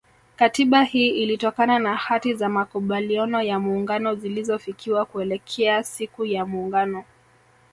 Katiba hii ilitokana na hati za makubaliano ya muungano zilizofikiwa kuelekea siku ya muungano